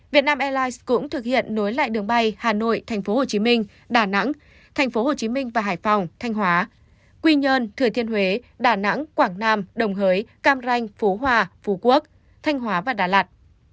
việt nam airlines cũng thực hiện nối lại đường bay hà nội tp hcm đà nẵng tp hcm và hải phòng thanh hóa quy nhơn thừa thiên huế đà nẵng quảng nam đồng hới cam ranh phú hòa phú quốc thanh hóa và đà lạt